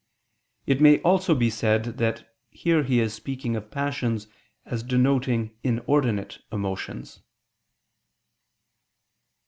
It may also be said that here he is speaking of passions as denoting inordinate emotions.